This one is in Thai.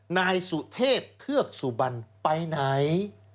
นายสุเทพเทือกสุบันไปไหน